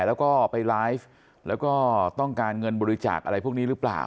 แล้วก็ไปไลฟ์แล้วก็ต้องการเงินบริจาคอะไรพวกนี้หรือเปล่า